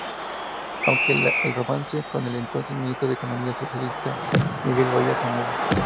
Aunque el romance con el entonces ministro de economía socialista Miguel Boyer se niega.